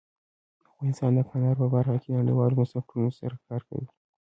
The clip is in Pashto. افغانستان د کندهار په برخه کې نړیوالو بنسټونو سره کار کوي.